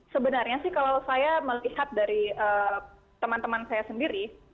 sebenarnya sih kalau saya melihat dari teman teman saya sendiri